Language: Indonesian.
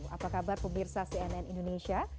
apa kabar pemirsa cnn indonesia